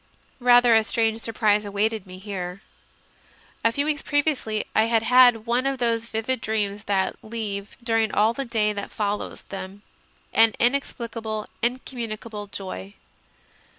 Rather a strange surprise awaited me here. A few weeks previously I had had one of those vivid dreams that leave, during all the day that follows CONFESSIONS OF A CONVERT 135 them, an inexplicable, incommunicable joy.